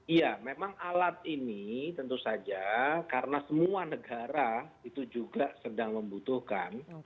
iya memang alat ini tentu saja karena semua negara itu juga sedang membutuhkan